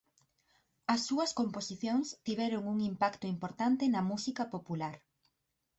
As súas composicións tiveron un impacto importante na música popular.